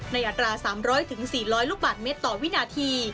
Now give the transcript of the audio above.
อัตรา๓๐๐๔๐๐ลูกบาทเมตรต่อวินาที